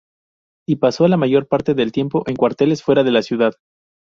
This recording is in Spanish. Y pasó la mayor parte del tiempo en cuarteles fuera de la ciudad.